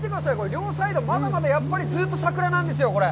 両サイド、まだまだやっぱりずっと桜なんですよ。